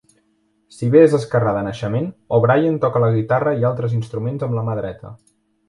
Si bé és esquerrà de naixement, O'Brien toca la guitarra i altres instruments amb la mà dreta.